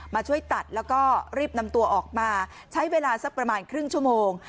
มาช่วยตัดแล้วก็รีบนำตัวออกมาใช้เวลาสักประมาณครึ่งชั่วโมง